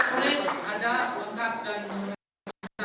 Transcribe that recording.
atp s polis ada ongkar dan mengumpulkan